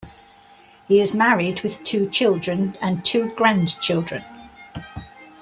He is married with two children and two grandchildren.